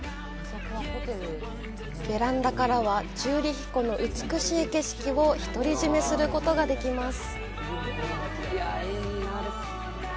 ベランダからはチューリヒ湖の美しい景色を独り占めすることができます。